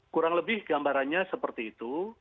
kurang lebih gambarannya seperti itu